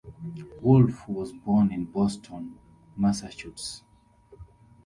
Wolf was born in Boston, Massachusetts.